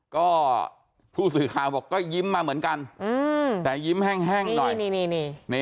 ก็ผู้สื่อค่าบอกก็ยิ้มมาเหมือนกันอืมแต่ยิ้มแห้งแห้งหน่อยนี่นี่นี่นี่